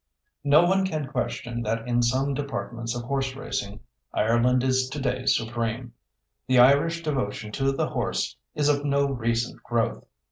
No one can question that in some departments of horse racing Ireland is today supreme. The Irish devotion to the horse is of no recent growth.